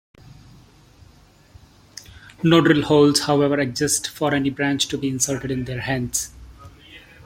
No drill holes, however, exist for any branch to be inserted in their hands.